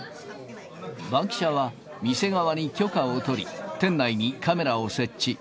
バンキシャは店側に許可を取り、店内にカメラを設置。